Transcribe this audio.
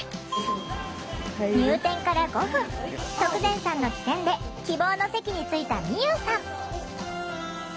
入店から５分徳善さんの機転で希望の席に着いたみゆうさん。